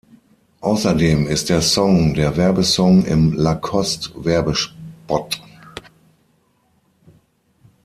Außerdem ist der Song der Werbesong im Lacoste-Werbespot.